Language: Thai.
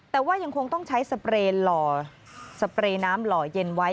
แต่ว่ายังคงต้องใช้สเปรย์น้ำหล่อเย็นไว้